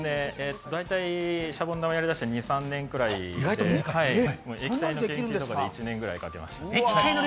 大体、シャボン玉やりだしたのは２３年ぐらいで液体の研究とかで１年ぐらいかけました。